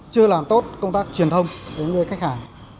chưa làm tốt công tác truyền thông đối với khách hàng